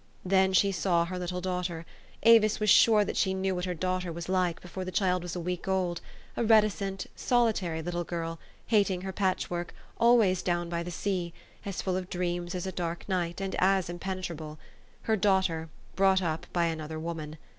Then she saw her little daughter. Avis was sure that she knew what her daughter was like, before the child was a week old, a reticent, solitary little girl, hating her patchwork, always down by the sea ; as full of dreams as a dark night, and as impenetrable, her daughter, brought up by another woman.